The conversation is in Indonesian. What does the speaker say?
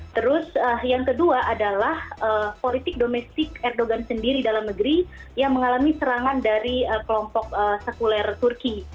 terus yang kedua adalah politik domestik erdogan sendiri dalam negeri yang mengalami serangan dari kelompok sekuler turki